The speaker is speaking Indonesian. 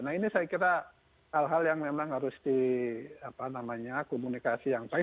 nah ini saya kira hal hal yang memang harus di apa namanya komunikasi yang baik